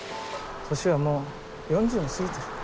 年は、もう４０を過ぎてる。